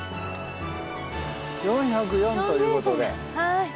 ４０４ということで。